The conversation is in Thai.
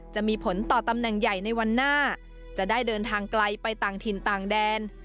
จะมีผลต่อตำแหน่งใหญ่ในวันหน้าจะได้เดินทางไกลไปต่างถิ่นต่างแดน